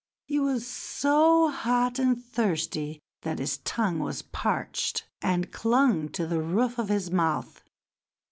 He was so hot and thirsty that his tongue was parched and clung to the roof of his mouth.